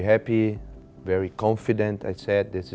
ฉันก็แข็งสุขและสินค้าให้ดี